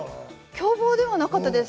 凶暴ではなかったです。